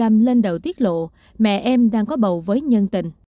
bác dâu bé bắt đầu tiết lộ mẹ em đang có bầu với nhân tình